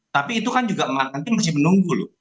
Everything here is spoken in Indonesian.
tapi itu kan juga nanti masih menunggu loh